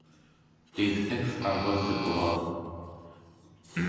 These picks are listed below.